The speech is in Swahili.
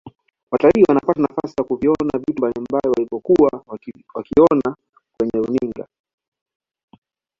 watalii wanapata nafasi ya kuviona vitu mbalimbali walivyokuwa wakiona kwenye runinga